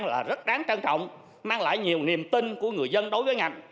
là rất đáng trân trọng mang lại nhiều niềm tin của người dân đối với ngành